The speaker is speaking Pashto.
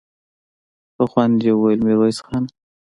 په خوند يې وويل: ميرويس خانه!